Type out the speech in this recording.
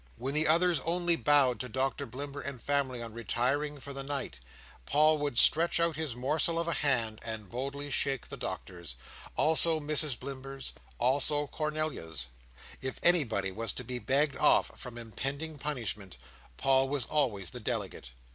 When the others only bowed to Doctor Blimber and family on retiring for the night, Paul would stretch out his morsel of a hand, and boldly shake the Doctor's; also Mrs Blimber's; also Cornelia's. If anybody was to be begged off from impending punishment, Paul was always the delegate.